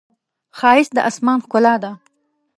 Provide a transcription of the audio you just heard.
ښایست د آسمان ښکلا ده